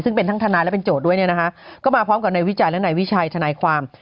ซึ่งเป็นทั้งทนายและเป็นโจทย์ด้วยเนี่ยนะคะก็มาพร้อมกับนายวิจัยและนายวิชัยทนายความ